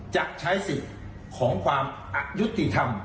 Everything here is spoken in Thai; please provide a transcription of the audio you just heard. จะใช้สิทธิ์ของความอายุติธรรม